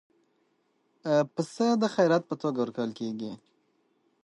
پسه د خیرات په توګه ورکول کېږي.